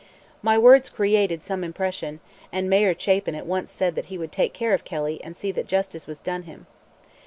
My words created some impression, and Mayor Chapin at once said that he would take care of Kelly and see that justice was done him.